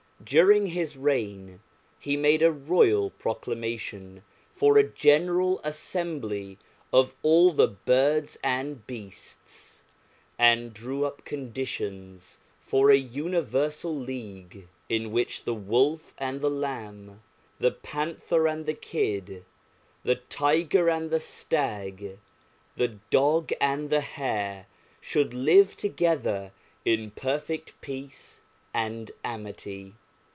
During his reign he made a royal proclamation for a general assembly of all the birds and beasts, and drew up conditions for a universal league, in which the Wolf and the Lamb, the Panther and the Kid, the Tiger and the Stag, the Dog and the Hare, should live together in perfect peace and amity.